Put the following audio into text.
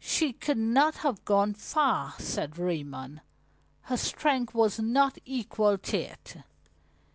"She could not have gone far," said Raymond. "Her strength was not equal to it."